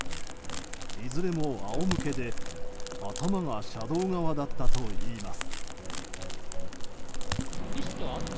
いずれも、あおむけで頭が車道側だったといいます。